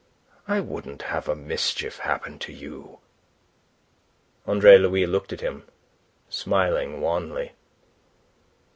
I wouldn't have a mischief happen to you." Andre Louis looked at him, smiling wanly.